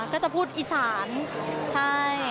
ก็จะพูดอีสานใช่